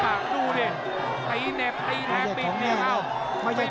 เป็นของแทรงหรือเปล่าเนี่ยแสนชัยน้อย